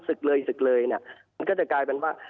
สึกเลยเนี่ยมันก็จะกลายเป็นว่า